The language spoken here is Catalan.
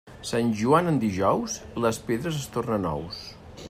Sant Joan en dijous, les pedres es tornen ous.